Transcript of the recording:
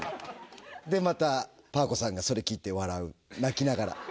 でまたパー子さんがそれ聞いて笑う泣きながら。